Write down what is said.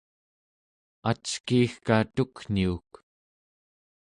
ackiigka tukniuk